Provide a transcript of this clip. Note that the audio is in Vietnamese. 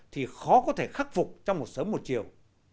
thì khó có thể khắc phục trong một sớm một chiều